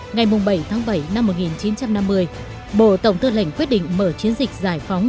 ngày bảy tháng bảy năm một nghìn chín trăm năm mươi bộ tổng tư lệnh quyết định mở chiến dịch giải phóng